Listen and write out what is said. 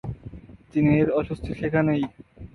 চিনের অস্বস্তি সেখানেই।